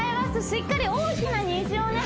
しっかり大きな虹をね